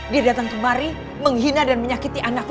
dia datang kemari menghina dan menyakiti anakku